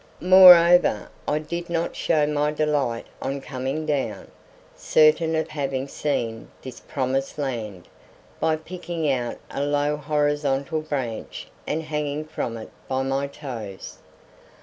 Moreover I did not show my delight on coming down, certain of having seen this promised land, by picking out a low horizontal branch and hanging from it by my toes.